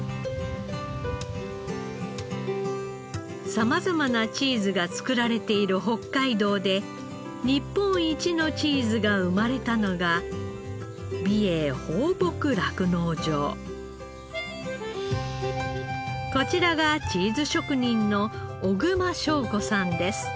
様々なチーズが作られている北海道で日本一のチーズが生まれたのがこちらがチーズ職人の小熊章子さんです。